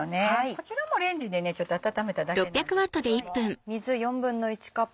こちらもレンジでちょっと温めただけなんですけども。